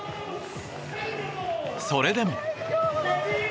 それでも。